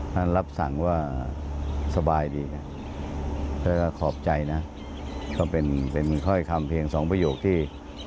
ท่านรับสั่งว่าสบายดีก็ขอบใจนะก็เป็นค่อยคำเพียงสองประโยคที่